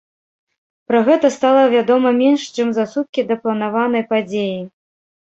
Пра гэта стала вядома менш чым за суткі да планаванай падзеі.